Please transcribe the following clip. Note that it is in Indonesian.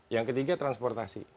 yang ketiga transportasi